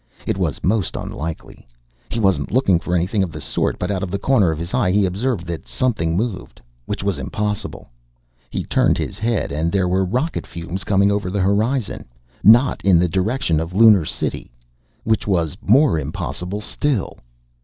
It was most unlikely. He wasn't looking for anything of the sort, but out of the corner of his eye he observed that something moved. Which was impossible. He turned his head, and there were rocket fumes coming over the horizon, not in the direction of Lunar City. Which was more impossible still.